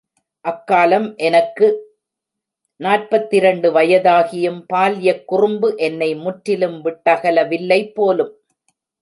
அக்காலம் எனக்கு நாற்பத்திரண்டு வயதாகியும் பால்யக் குறும்பு என்னை முற்றிலும் விட்டகலவில்லை போலும்!